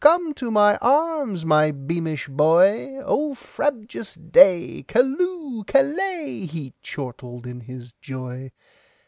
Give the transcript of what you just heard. Come to my arms, my beamish boy!O frabjous day! Callooh! Callay!"He chortled in his joy.